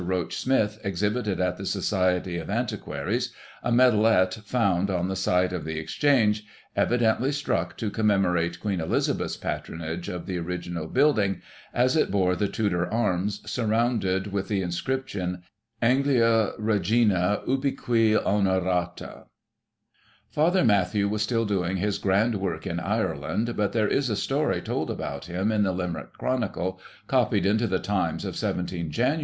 Roach Smith exhibited at the Society of Antiquaries a medalet, found on the site of the Exchange, evidently struck to commemorate Queen Eliza beth's patronage of the original building, as it bore the Tudor Arms surroimded with the inscription " Anglioe Regina ubique honorata" Father Mathew was still doing his grand work in Ireland, but there is a story told about him in the Limerick Chronicle^ copied into the Times of 17 Jan.